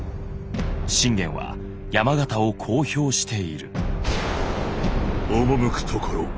信玄は山県をこう評している。